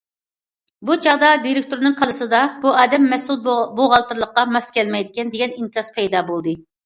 بۇ چاغدا دىرېكتورنىڭ كاللىسىدا‹‹ بۇ ئادەم مەسئۇل بوغالتىرلىققا ماس كەلمەيدىكەن›› دېگەن ئىنكاس پەيدا بولدى.